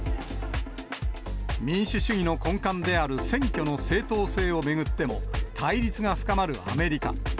民主主義の根幹である選挙の正当性を巡っても、対立が深まるアメリカ。